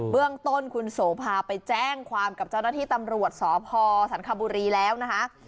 เรื่องต้นคุณโสภาไปแจ้งความกับเจ้าหน้าที่ตำรวจสพสันคบุรีแล้วนะคะ